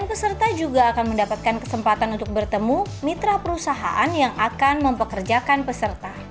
peserta akan mendapatkan kesempatan untuk bertemu dengan mitra perusahaan yang akan memperkerjakan peserta